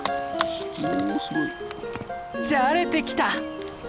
じゃれてきた！